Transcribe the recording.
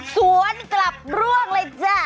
สวนกลับร่วงเลยจ้ะ